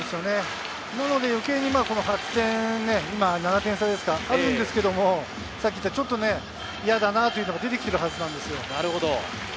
なので余計、今７点差ですか、あるんですけれど、ちょっと嫌だなというのが出てきてるはずなんですよ。